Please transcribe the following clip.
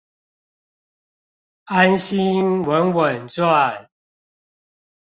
安心穩穩賺